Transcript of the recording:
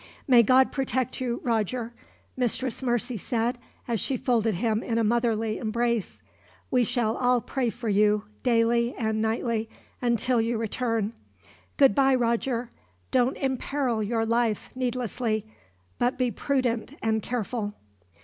"May God protect you, Roger," Mistress Mercy said, as she folded him in a motherly embrace. "We shall all pray for you, daily and nightly, until you return. Goodbye, Roger! Don't imperil your life needlessly, but be prudent and careful."